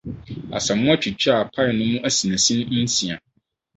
Asamoa twitwaa pai no mu asinasin nsia.